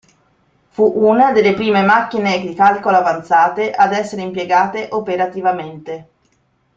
Fu una delle prime macchine di calcolo avanzate ad essere impiegate operativamente.